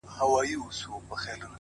o د کلال په کور کي روغه کوزه نسته.